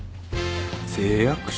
「誓約書」？